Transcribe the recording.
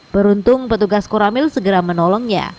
beruntung petugas koramil segera menolongnya